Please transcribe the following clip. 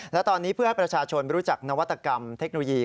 และตอนนี้เพื่อให้ประชาชนรู้จักนวัตกรรมเทคโนโลยี